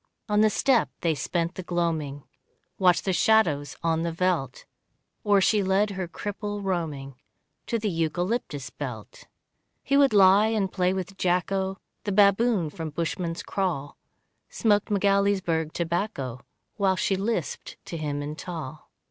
On the stoep they spent the gloaming, Watched the shadows on the veldt, Or she led her cripple roaming To the eucalyptus belt. He would lie and play with Jacko, The baboon from Bushman's Kraal, Smoked Magaliesberg tobacco While she lisped to him in Taal.